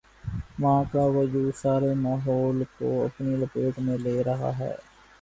ماں کا وجودسارے ماحول کو اپنی لپیٹ میں لے رہا ہے۔